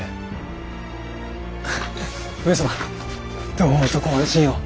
どうぞご安心を。